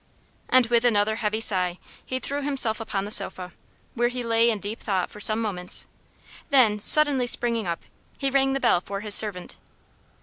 And with another heavy sigh he threw himself upon the sofa, where he lay in deep thought for some moments; then, suddenly springing up, he rang the bell for his servant.